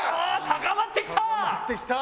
高まってきた！